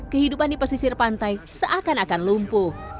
kehidupan di pesisir pantai seakan akan lumpuh